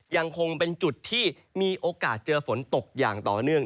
ยังคงเป็นจุดที่มีโอกาสเจอฝนตกอย่างต่อเนื่อง